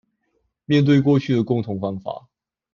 面對過去的共同方法